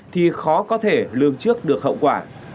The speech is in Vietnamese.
thì khó có thể lương trước được hậu quả